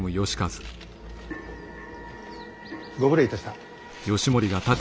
ご無礼いたした。